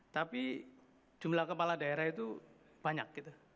tapi jumlah kepala daerah itu banyak